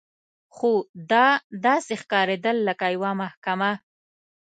خو دا داسې ښکارېدل لکه یوه محکمه.